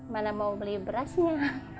mana mau beli berasnya